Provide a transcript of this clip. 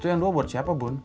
itu yang dua buat siapa bun